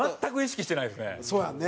そうやんね。